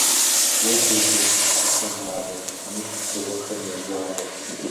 Уа, Джэду, КӀущэ Нагъуэ, умыщӀ дзыгъуэхэм я жагъуэ.